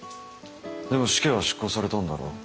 でも死刑は執行されたんだろ？